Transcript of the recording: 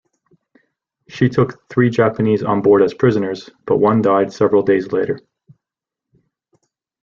She took three Japanese on board as prisoners, but one died several days later.